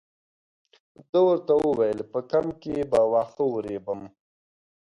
ده ورته وویل په کمپ کې به واښه ورېبم.